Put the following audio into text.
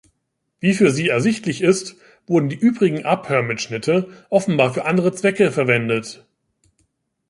Wie für Sie ersichtlich ist, wurden die übrigen Abhörmitschnitte offenbar für andere Zwecke verwendet.